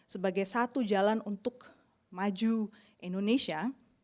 sebagai satu jalan untuk maju indonesia